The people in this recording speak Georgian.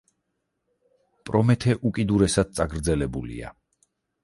პრომეთე უკიდურესად წაგრძელებულია.